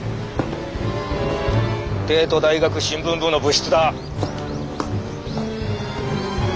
帝都大学新聞部の部室だ。